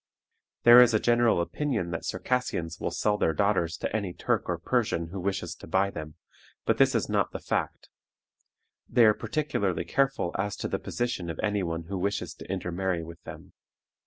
There is a general opinion that Circassians will sell their daughters to any Turk or Persian who wishes to buy them, but this is not the fact. They are particularly careful as to the position of any one who wishes to intermarry with them.